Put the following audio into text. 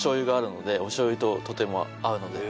おしょうゆととても合うので。